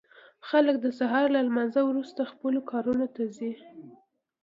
خلک د سهار له لمانځه وروسته خپلو کارونو ته ځي.